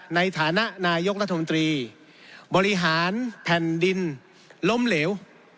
ในฐานะนายกรัฐมนตรีบริหารแผ่นดินล้มเหลว